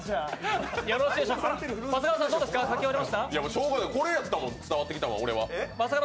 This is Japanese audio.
しょうがない、これやったもん、伝わってきたのは。